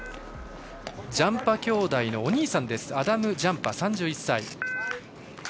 ジャンパ兄弟のお兄さんアダム・ジャンパ、３１歳。